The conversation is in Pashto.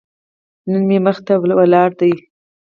نن مې مخې ته ولاړه ده.